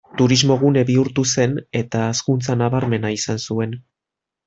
Turismogune bihurtu zen eta hazkuntza nabarmena izan zuen.